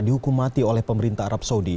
dihukum mati oleh pemerintah arab saudi